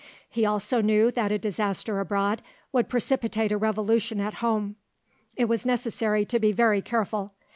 He also knew that a disaster abroad would precipitate a revolution at home. It was necessary to be very careful.